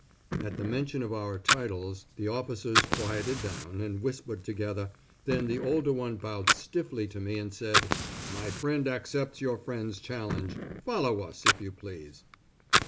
At the mention of our titles the officers quieted down, and whispered together, then the older one bowed stiffly to me and said, "My friend accepts your friend's challenge. Follow us if you please."